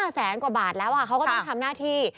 แสนกว่าบาทแล้วเขาก็ต้องทำหน้าที่